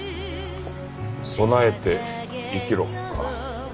備えて生きろか。